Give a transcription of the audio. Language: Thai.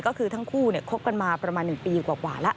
ก็คือทั้งคู่คบกันมาประมาณ๑ปีกว่าแล้ว